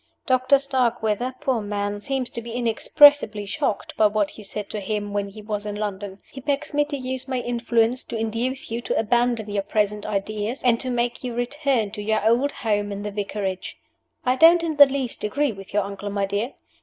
Doctor Starkweather, poor man, seems to be inexpressibly shocked by what you said to him when he was in London. He begs me to use my influence to induce you to abandon your present ideas, and to make you return to your old home at the Vicarage. I don't in the least agree with your uncle, my dear.